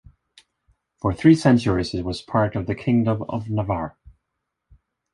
For three centuries it was part of the Kingdom of Navarre.